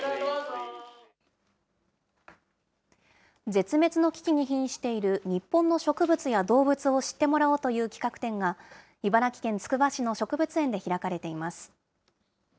絶滅の危機にひんしている日本の植物や動物を知ってもらおうという企画展が、茨城県つくば市の植物園で開かれています。